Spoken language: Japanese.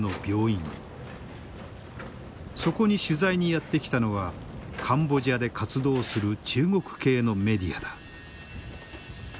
そこに取材にやって来たのはカンボジアで活動する中国系のメディアだ。